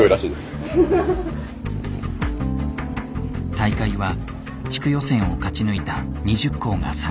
大会は地区予選を勝ち抜いた２０校が参加。